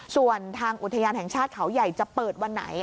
ส่วนทางอุทยานแห่งชาติเขาใหญ่จะเปิดวันไหน